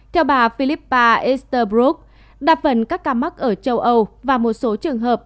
theo bà philippa esterbrook đặc phần các ca mắc ở châu âu và một số trường hợp